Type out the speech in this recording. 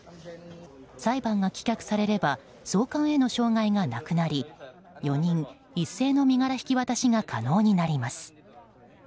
裁判が棄却されれば送還への障害がなくなり４人一斉の身柄引き渡しが可能になります。